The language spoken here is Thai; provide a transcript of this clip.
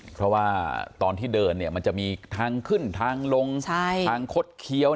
เพราะว่าตอนที่เดินเนี่ยมันจะมีทางขึ้นทางลงทางคดเคี้ยว